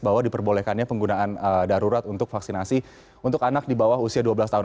bahwa diperbolehkannya penggunaan darurat untuk vaksinasi untuk anak di bawah usia dua belas tahun